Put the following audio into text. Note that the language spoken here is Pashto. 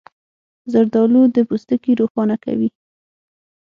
زردالو د پوستکي روښانه کوي.